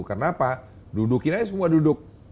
kenapa dudukin aja semua duduk